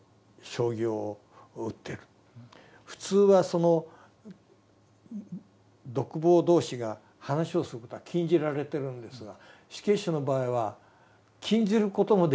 普通はその独房同士が話をすることは禁じられてるんですが死刑囚の場合は禁じることもできない。